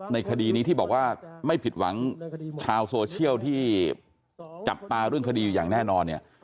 คดีนี้ที่บอกว่าไม่ผิดหวังชาวโซเชียลที่จับตาเรื่องคดีอย่างแน่นอนเนี่ย